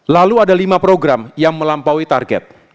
lalu ada lima program yang melampaui target